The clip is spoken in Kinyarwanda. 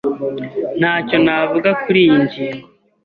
Ntacyo navuga kuriyi ngingo.